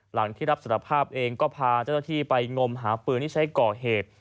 หลังที่รับสารภาพเองก็พาเจ้าหน้าที่ไปงมหาปืนที่ใช้ก่อเหตุ